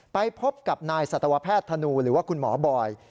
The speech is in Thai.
ไปพบกับนายสัตวแพทย์ธนูหรือว่าคุณหมอบอย